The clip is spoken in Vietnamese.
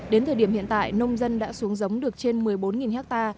đến thời điểm hiện tại nông dân đã xuống giống được trên một mươi bốn ha